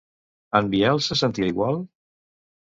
En Biel se sentia igual?